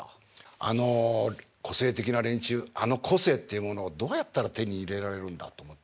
あの個性的な連中あの個性っていうものをどうやったら手に入れられるんだと思って。